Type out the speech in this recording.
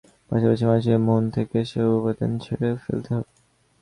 পাশাপাশি, মানুষের মনন থেকে এসব উপাদান ঝেড়ে ফেলতে হবে।